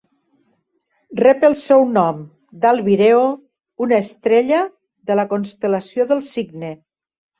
Rep el seu nom d'Albireo, una estrella de la constel·lació del Cigne.